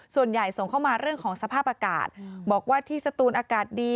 ส่วนใหญ่ส่งเข้ามาเรื่องของสภาพอากาศบอกว่าที่สตูนอากาศดี